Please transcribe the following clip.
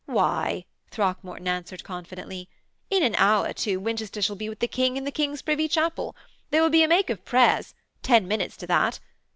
'Why,' Throckmorton answered confidently, 'in an hour, too, Winchester shall be with the King in the King's Privy Chapel. There will be a make of prayers; ten minutes to that.